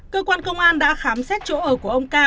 cơ quan công an đã khám xét chỗ ở của ông ca